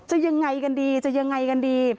ยังไงกันดีจะยังไงกันดี